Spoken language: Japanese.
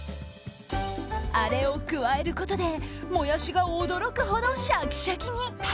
あれを加えることでモヤシが驚くほどシャキシャキに。